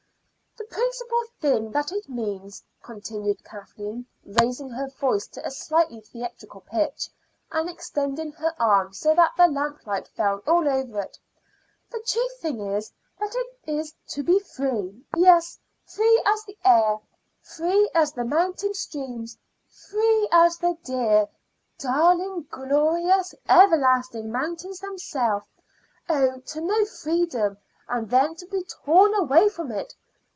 "The principal thing that it means," continued Kathleen, raising her voice to a slightly theatrical pitch, and extending her arm so that the lamplight fell all over it "the chief thing that it means is to be free yes, free as the air, free as the mountain streams, free as the dear, darling, glorious, everlasting mountains themselves. Oh, to know freedom and then to be torn away from it!